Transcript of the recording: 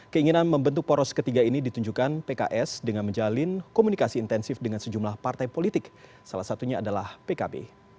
keinginan membentuk poros ketiga ini ditunjukkan pks dengan menjalin komunikasi intensif dengan sejumlah partai politik salah satunya adalah pkb